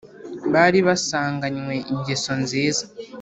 bari basanganywe ingeso nziza